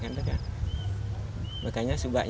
makanya subaknya tidak ada hujan sekarang